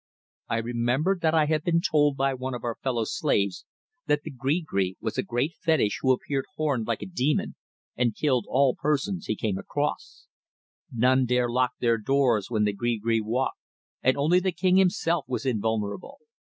I remembered that I had been told by one of our fellow slaves that the gree gree was a great fetish who appeared horned like a demon, and killed all persons he came across. None dare lock their doors when the gree gree walked, and only the King himself was invulnerable.